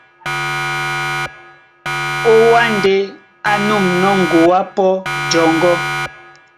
Ó Wâ ndé á nûmnɔ́ ŋgoá pɔ́ jɔŋgɔ́,